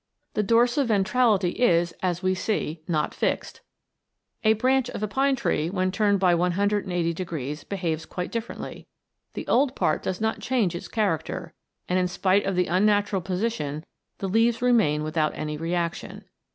The dorsi ventrality is, as we see, not fixed. A branch of a pine tree when turned by 180 degrees behaves quite differently. The old part does not change its character, and in spite of the unnatural position the leaves remain without any reaction.